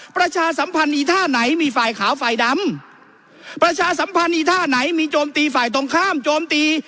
ประชาสัมพันธ์อีท่าไหนมีฝ่ายขาวฝ่ายดำประชาสัมพันธ์อีท่าไหนมีโจมตีฝ่ายตรงข้ามโจมตี